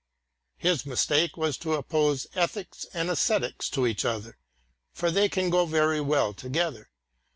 His mistake was to oppose ethics and æsthetics to each other, for they can go very well together.